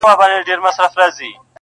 بيا دې د دوو سترگو تلاوت شروع کړ~